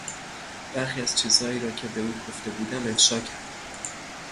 برخی از چیزهایی را که به او گفته بودم افشا کرد.